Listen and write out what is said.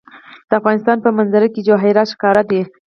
د افغانستان په منظره کې جواهرات ښکاره ده.